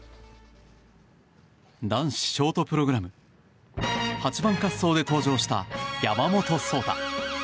男子ショートプログラム８番滑走で登場した山本草太。